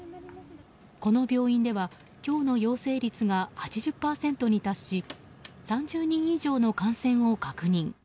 この病院では今日の陽性率が８０％に達し３０人以上の感染を確認。